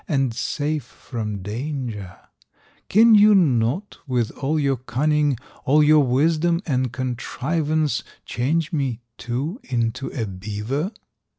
and safe from danger; Can you not with all your cunning, All your wisdom and contrivance, Change me, too, into a beaver?"